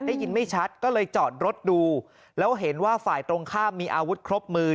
ได้ยินไม่ชัดก็เลยจอดรถดูแล้วเห็นว่าฝ่ายตรงข้ามมีอาวุธครบมือ